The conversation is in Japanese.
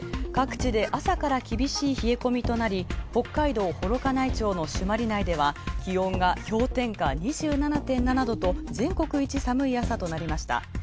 各地で朝から厳しい冷え込みとなり、北海道・幌加内町の朱鞠内では気温が氷点下２７．７度と全国一寒い朝となりました。